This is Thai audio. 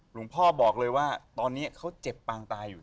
หลวงพ่อบอกเลยว่าตอนนี้เขาเจ็บปางตายอยู่